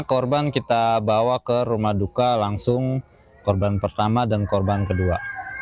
korban kita bawa ke rumah duka langsung korban pertama dan korban kedua